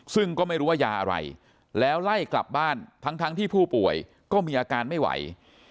ซึ่งก็ไม่รู้ว่ายาอะไรแล้วไล่กลับบ้านทั้งที่ผู้ป่วยก็มีอาการไม่ไหว